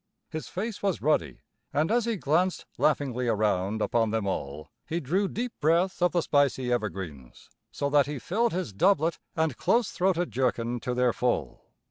His face was ruddy, and as he glanced laughingly around upon them all, he drew deep breath of the spicy evergreens, so that he filled his doublet and close throated jerkin to their full.